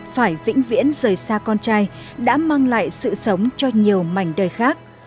phải vĩnh viễn rời xa con trai đã mang lại sự sống cho nhiều mảnh đời khác